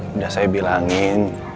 sudah saya bilangin